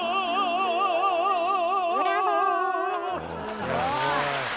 すごい。